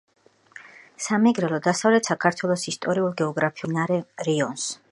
სამეგრელო დასავლეთ საქართველოს ისტორიულ-გეოგრაფიული მხარეა, რომელიც მდინარე რიონს,